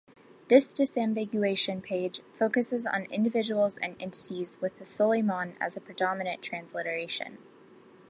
This disambiguation page focuses on individuals and entities with Suleiman as a predominant transliteration.